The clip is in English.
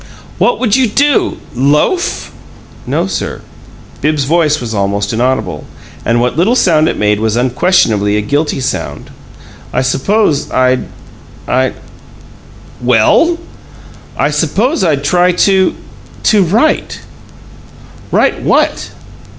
"What would you do? Loaf?" "No, sir." Bibbs's voice was almost inaudible, and what little sound it made was unquestionably a guilty sound. "I suppose I'd I'd " "Well?" "I suppose I'd try to to write." "Write what?"